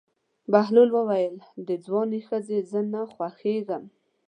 بهلول وویل: د ځوانې ښځې زه نه خوښېږم.